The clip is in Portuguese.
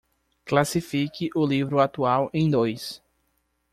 Classifique o livro atual em dois